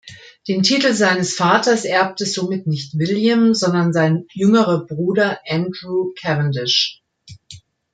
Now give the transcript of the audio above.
Den Titel seines Vaters erbte somit nicht William, sondern sein jüngerer Bruder Andrew Cavendish.